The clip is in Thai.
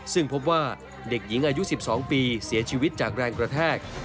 ซึ่งพบว่าเด็กหญิงอายุ๑๒ปีเสียชีวิตจากแรงกระแทก